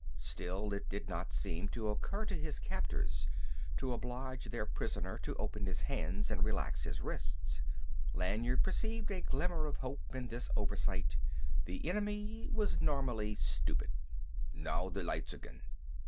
Still it did not seem to occur to his captors to oblige their prisoner to open his hands and relax his wrists. Lanyard perceived a glimmer of hope in this oversight: the enemy was normally stupid. "Now the lights again."